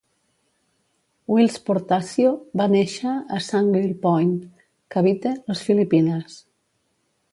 Whilce Portacio va néixer a Sangley Point, Cavite, les Filipines.